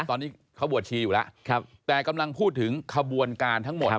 ตอนนี้เขาบวชชีอยู่แล้วแต่กำลังพูดถึงขบวนการทั้งหมด